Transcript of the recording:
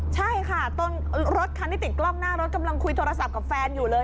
ใช่ค่ะรถคันที่ติดกล้องหน้ารถกำลังคุยโทรศัพท์กับแฟนอยู่เลย